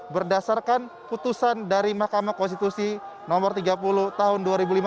berdasarkan putusan dari mahkamah konstitusi nomor tiga puluh tahun dua ribu lima belas